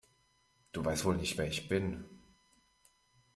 Du weißt wohl nicht, wer ich bin!